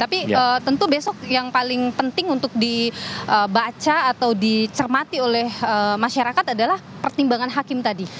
tapi tentu besok yang paling penting untuk dibaca atau dicermati oleh masyarakat adalah pertimbangan hakim tadi